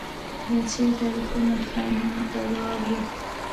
یاد شوي تاریخونه خاینینو ته ځواب دی.